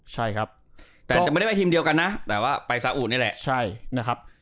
ใช่ครับแต่จะไม่ได้ไปทีมเดียวกันนะแต่ว่าไปสาอุนี่แหละใช่นะครับ